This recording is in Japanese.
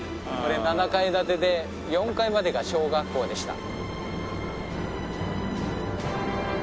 これ７階建てで４階までが小学校でした。